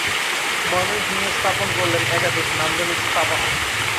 ময়মনসিংহে স্থাপন করলেন একাধিক নান্দনিক স্থাপনা।